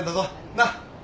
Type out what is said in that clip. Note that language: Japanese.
なっ。